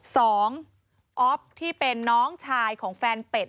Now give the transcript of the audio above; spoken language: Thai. สองอ๊อฟที่เป็นน้องชายของแฟนเป็ด